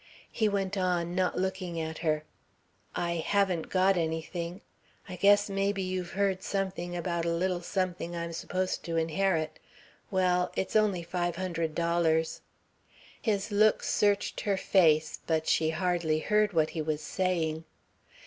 He went on, not looking at her. "I haven't got anything. I guess maybe you've heard something about a little something I'm supposed to inherit. Well, it's only five hundred dollars." His look searched her face, but she hardly heard what he was saying.